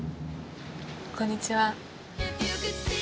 こんにちは。